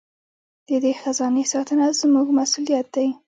د دې خزانې ساتنه زموږ مسوولیت دی.